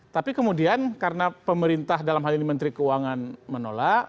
tapi kemudian karena pemerintah dalam hal ini menteri keuangan menolak